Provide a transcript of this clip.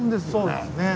そうですね